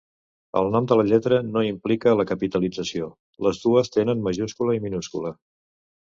El nom de la lletra no implica la capitalització: les dues tenen majúscula i minúscula.